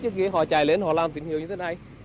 trước khi họ chạy lên họ làm tín hiệu như thế này